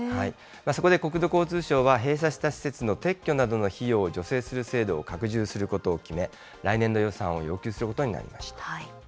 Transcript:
そこで国土交通省は、閉鎖した施設の撤去などの費用を助成する制度を拡充することを決め、来年度予算を要求することになりました。